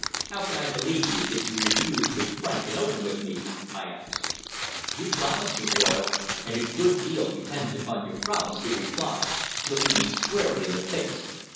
"How can I believe you if you refuse to be frank and open with me?" I asked. "You promised me, Royle, and a good deal depends upon your promise," he replied, looking me squarely in the face.